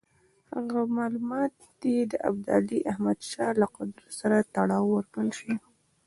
هغه معلومات دې د ابدالي احمدشاه له قدرت سره تړاو ورکړل شي.